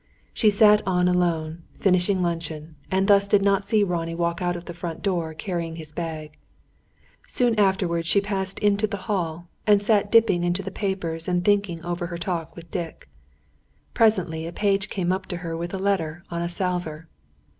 So she sat on alone, finishing luncheon, and thus did not see Ronnie walk out of the front door, carrying his bag. Soon afterwards she passed into the hall, and sat dipping into the papers and thinking over her talk with Dick. Presently a page stepped up to her with a letter on a salver.